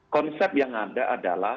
konsep yang ada adalah